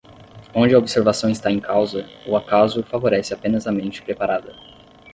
Onde a observação está em causa, o acaso favorece apenas a mente preparada.